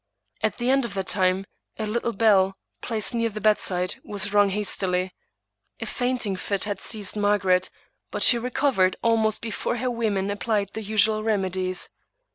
At the end of that time, a little bell, placed near the bedside, was rung hastily. A fainting fit had seized Margaret; but she recovered almost before her women ap plied the usual remedies.